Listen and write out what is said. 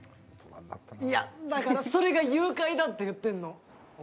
いや、だからそれが誘拐だって言ってんの！